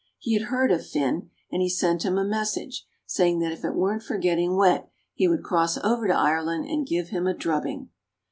He had heard of Fin, and he sent him a message saying that if it weren't for getting wet he would cross over to Ireland and give him a drubbing.